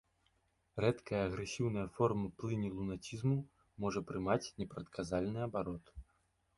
Рэдкая агрэсіўная форма плыні лунацізму можа прымаць непрадказальны абарот.